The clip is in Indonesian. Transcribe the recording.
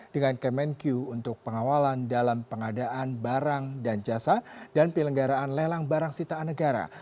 dengan kemenkyu untuk pengawalan dalam pengadaan barang dan jasa dan penyelenggaraan lelang barang sitaan negara